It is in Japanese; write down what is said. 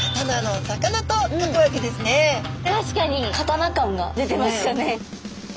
確かに刀感が出てますよね。